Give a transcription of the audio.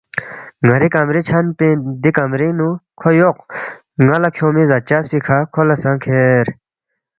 ن٘ری کمری چھَن پِنگ دی کمرِنگ نُو کھو یوق، نانگ لہ کھیونگمی زاچس پیکھہ کھو لہ سہ کھیر